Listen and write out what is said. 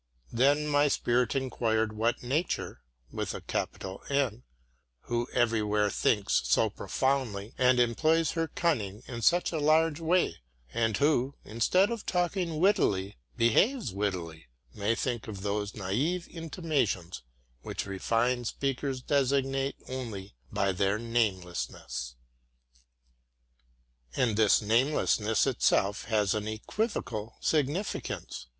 Then my spirit inquired what Nature, who everywhere thinks so profoundly and employs her cunning in such a large way, and who, instead of talking wittily, behaves wittily, may think of those naïve intimations which refined speakers designate only by their namelessness. And this namelessness itself has an equivocal significance.